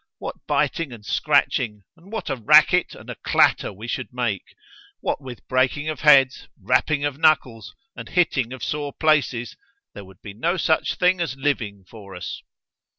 what biting and scratching, and what a racket and a clatter we should make, what with breaking of heads, rapping of knuckles, and hitting of sore places—there would be no such thing as living for us.